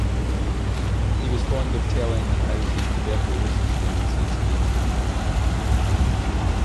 He was fond of telling how his tuberculosis tendencies gained him the appointment.